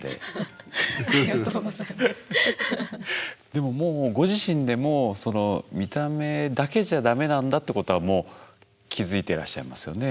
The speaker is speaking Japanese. でももうご自身でもその見た目だけじゃダメなんだってことはもう気付いてらっしゃいますよね